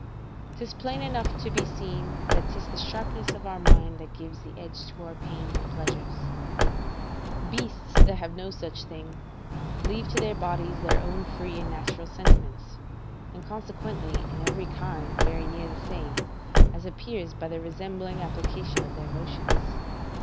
'Tis plain enough to be seen that 'tis the sharpness of our mind that gives the edge to our pains and pleasures: beasts that have no such thing, leave to their bodies their own free and natural sentiments, and consequently in every kind very near the same, as appears by the resembling application of their motions.